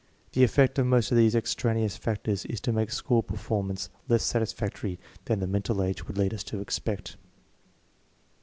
The effect of most of these extraneous factors is to make school performance less satisfactory than the mental age would lead us to expect.